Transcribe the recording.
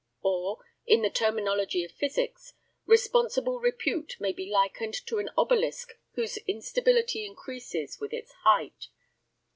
Or, in the terminology of physics, responsible repute may be likened to an obelisk whose instability increases with its height.